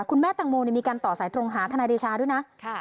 คุณแม่ตังโมมีการต่อสายตรงหาธนาดิชาด้วยนะ